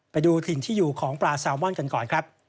ไปดูถิ่นที่อยู่ของปลาแซลมอนกันก่อนครับ